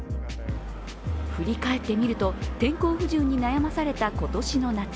振り返ってみると、天候不順に悩まされた今年の夏。